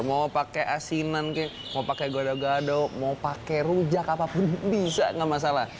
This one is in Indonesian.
mau pakai asinan mau pakai gado gado mau pakai rujak apapun bisa gak masalah